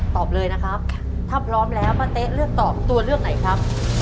ตอบเลยนะครับถ้าพร้อมแล้วป้าเต๊ะเลือกตอบตัวเลือกไหนครับ